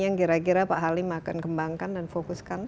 yang kira kira pak halim akan kembangkan dan fokuskan